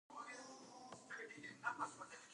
علامه حبيبي ګڼ شمېر تاریخي اسناد راټول کړي دي.